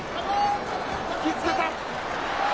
引き付けた。